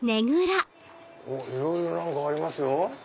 いろいろ何かありますよ